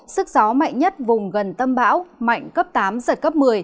sức gió mạnh nhất vùng gần tâm bão mạnh cấp tám giật cấp một mươi